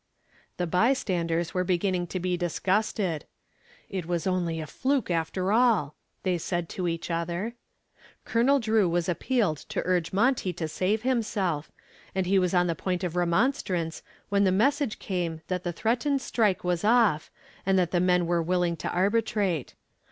The bystanders were beginning to be disgusted. "It was only a fluke after all," they said to each other. Colonel Drew was appealed to urge Monty to save himself, and he was on the point of remonstrance when the message came that the threatened strike was off, and that the men were willing to arbitrate.